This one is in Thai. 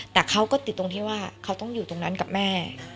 แต่เขาก็ติดตรงที่ว่าเขาต้องอยู่ตรงนั้นกับแม่